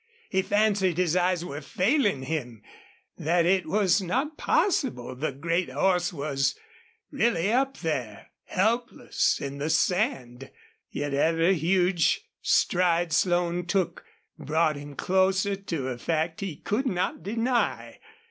He fancied his eyes were failing him, that it was not possible the great horse really was up there, helpless in the sand. Yet every huge stride Slone took brought him closer to a fact he could not deny.